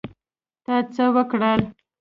تا څه وکړل؟